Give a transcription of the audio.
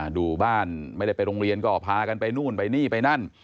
ดูบ้านไม่ได้ไปโรงเรียนก็พากันไปนู่นไปนี่ไปนั่น